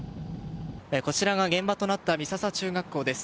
こちらが現場となった美笹中学校です。